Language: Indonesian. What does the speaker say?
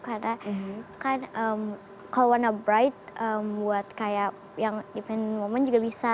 karena kan kalau warna bright buat kayak yang event momen juga bisa